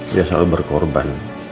dia selalu berkorban